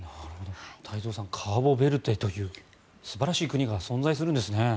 太蔵さんカボベルデという素晴らしい国が存在するんですね。